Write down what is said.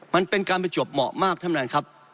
มันเป็นการประจวบเหมาะมากท่านประธานครับ